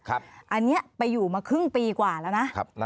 อันนี้ไปอยู่มาครึ่งปีกว่าแล้วนะ